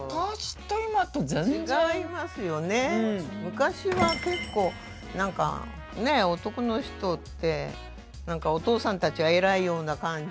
昔は結構何かねえ男の人って何かお父さんたちは偉いような感じ。